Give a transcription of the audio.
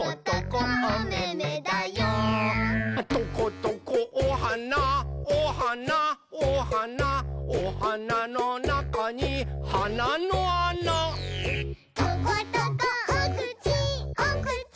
「トコトコおはなおはなおはなおはなのなかにはなのあな」「トコトコおくちおくち